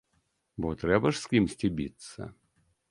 Бо трэба ж з кімсьці біцца.